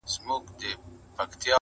دا به ولاړ وي د زمان به توپانونه راځي!!